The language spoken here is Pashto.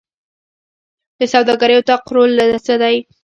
د سوداګرۍ اتاق رول څه دی؟